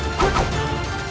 jangan lupa untuk berhenti